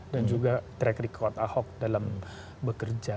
dan juga track record ahok dalam bekerja